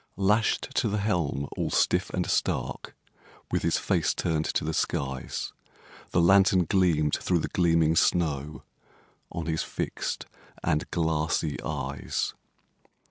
Lashed to the helm, all stiff and stark, With his face turned to the skies, The lantern gleamed through the gleaming snow On his fixed and glassy eyes.